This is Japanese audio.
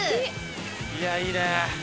いやいいね！